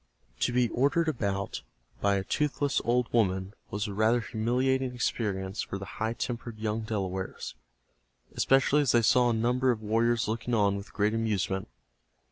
To be ordered about by a toothless old woman was a rather humiliating experience for the high tempered young Delawares, especially as they saw a number of warriors looking on with great amusement.